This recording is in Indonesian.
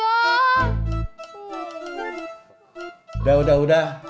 udah udah udah